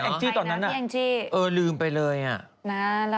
เออลืมไปเลยน๋อ